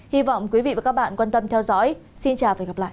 hy vọng quý vị và các bạn quan tâm theo dõi xin chào và hẹn gặp lại